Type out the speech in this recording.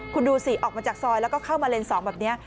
คุณดูสิออกมาจากซอยแล้วก็เข้ามาเลนส์๒แบบนี้